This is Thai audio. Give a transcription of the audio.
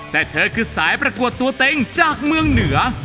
แต่เธอคือสายประกวดตัวเต็งจากเมืองเหนือ